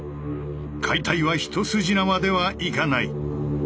解体は一筋縄ではいかない。